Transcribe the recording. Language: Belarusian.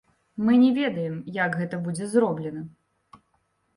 Мы не ведаем, як гэта будзе зроблена.